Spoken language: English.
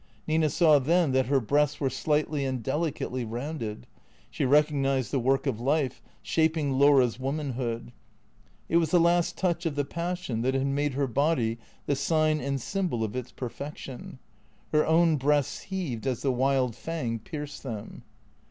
Nina saw then that her breasts were slightly and delicately rounded; she recognized the work of life, shaping Laura's womanhood; it was the last touch of the passion that had made her body the sign and symbol of its perfection. Her own breasts heaved as the wild fang pierced them.